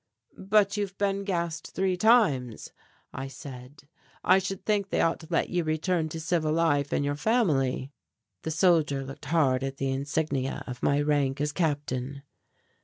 "But you have been gassed three times," I said, "I should think they ought to let you return to civil life and your family." The soldier looked hard at the insignia of my rank as captain.